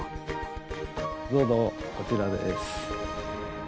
どうぞこちらです。